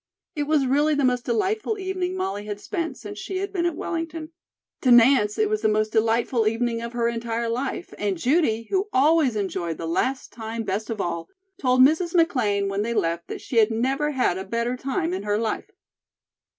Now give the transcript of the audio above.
It was really the most delightful evening Molly had spent since she had been at Wellington. To Nance, it was the most delightful evening of her entire life and Judy, who always enjoyed the last time best of all, told Mrs. McLean when they left that she had never had a better time in her life.